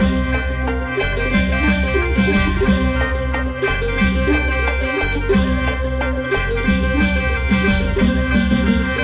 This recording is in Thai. สวยงามมากสวยงามมาก